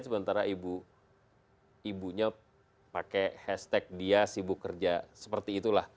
sementara ibunya pakai hashtag dia sibuk kerja seperti itulah